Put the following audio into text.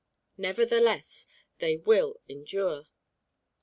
Nevertheless, they will endure.